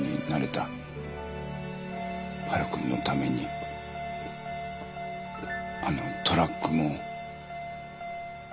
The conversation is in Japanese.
晴くんのためにあのトラックも。